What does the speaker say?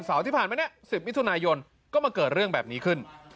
ที่ผ่านมาเนี่ย๑๐มิถุนายนก็มาเกิดเรื่องแบบนี้ขึ้น